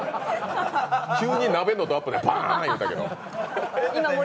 急に鍋のドアップでバァーンってなってたけど。